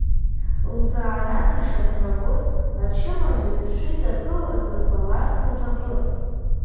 Лзанааҭ ишақәнагоз, ачымазаҩ дышиҵагылаз рбаларц лҭахын.